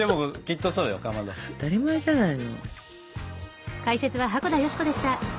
当たり前じゃないの。